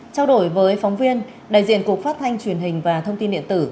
trao đổi với phóng viên đại diện cục phát thanh truyền hình và thông tin điện tử